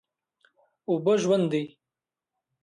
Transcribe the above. اوبه ژوند دی؟